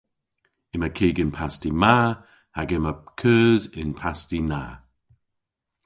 Yma kig y'n pasti ma hag yma keus y'n pasti na